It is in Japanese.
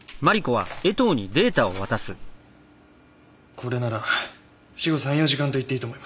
これなら死後３４時間と言っていいと思います。